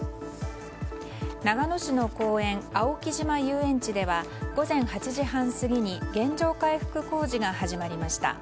長野市の公園、青木島遊園地では午前８時半過ぎに原状回復工事が始まりました。